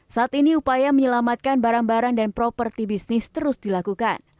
saat ini upaya menyelamatkan barang barang dan properti bisnis terus dilakukan